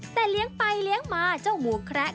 แต่เลี้ยงไปเลี้ยงมาเจ้าหมูแคระ